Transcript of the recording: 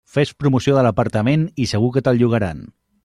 Fes promoció de l'apartament i segur que te'l llogaran.